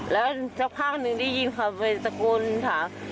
แล้วสักพักหนึ่งได้ยินเขาไปตะโกนถาม